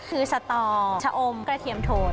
คือสตอชะอมกระเทียมโถด